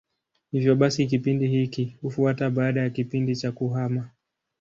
Hivyo basi kipindi hiki hufuata baada ya kipindi cha kuhama.